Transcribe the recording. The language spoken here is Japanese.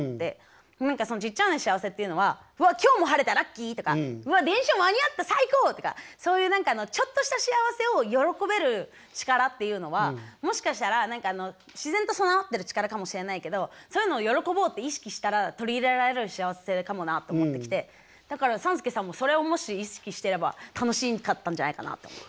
何かそのちっちゃな幸せっていうのはわっ今日も晴れたラッキー！とかわっ電車間に合った最高！とかそういう何かちょっとした幸せを喜べる力っていうのはもしかしたら自然と備わってる力かもしれないけどそういうのを喜ぼうって意識したら取り入れられる幸せかもなと思ってきてだから３助さんもそれをもし意識してれば楽しかったんじゃないかなって思う。